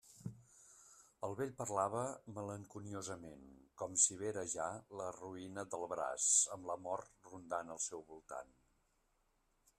El vell parlava malenconiosament, com si vera ja la ruïna del braç amb la mort rodant al seu voltant.